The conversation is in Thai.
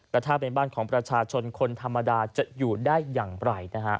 แต่ถ้าเป็นบ้านของประชาชนคนธรรมดาจะอยู่ได้อย่างไรนะฮะ